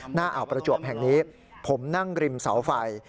หน้าอ่าวประจวบแห่งนี้ผมนั่งริมเสาไฟ